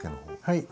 はい。